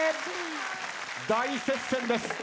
大接戦です。